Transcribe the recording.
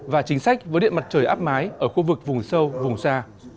và chính sách với điện mặt trời áp mái ở khu vực vùng sâu vùng xa